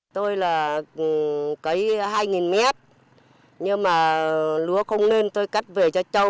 tôi là cấy hai m nhưng mà lúa không nên tôi cắt về cho châu